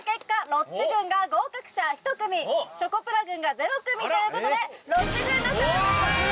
ロッチ軍が合格者１組チョコプラ軍がゼロ組ということでロッチ軍の勝利です